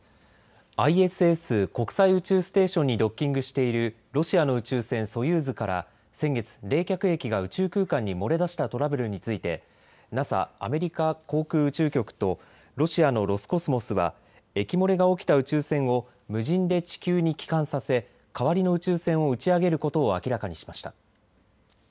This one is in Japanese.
ＩＳＳ・国際宇宙ステーションにドッキングしているロシアの宇宙船ソユーズから先月、冷却液が宇宙空間に漏れ出したトラブルについてＮＡＳＡ・アメリカ航空宇宙局とロシアのロスコスモスは液漏れが起きた宇宙船を無人で地球に帰還させ代わりの宇宙船を打ち上げることを明らかにしました。